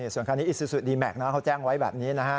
ส่วนคราวนี้อิซูซูดีแม็กซเขาแจ้งไว้แบบนี้นะฮะ